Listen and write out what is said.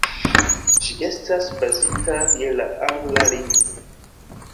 Ĝi estas bazita je la angla lingvo.